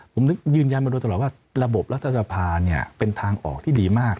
ผมนึกยืนยันมาโดยตลอดว่าระบบรัฐสภาเป็นทางออกที่ดีมาก